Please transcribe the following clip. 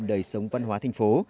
đời sống văn hóa thành phố